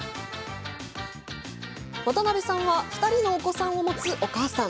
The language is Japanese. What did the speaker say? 渡辺さんは２人のお子さんを持つお母さん。